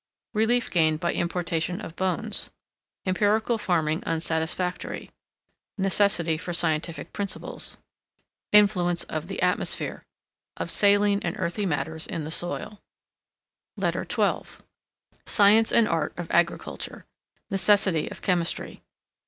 Relief gained by importation of bones. Empirical farming unsatisfactory. Necessity for scientific principles. Influence of the atmosphere. Of Saline and Earthy matters of the soil. LETTER XII SCIENCE AND ART OF AGRICULTURE. NECESSITY OF CHEMISTRY.